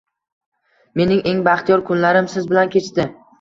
Mening eng baxtiyor kunlarim siz bilan kechdi.